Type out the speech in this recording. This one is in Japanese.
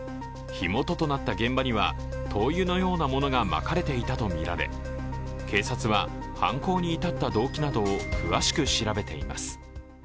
火元となった現場には灯油のようなものがまかれていたとみられ、警察は犯行に至った動機などを詳しく調べています。